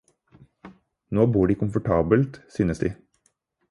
Nå bor de komfortabelt, synes de.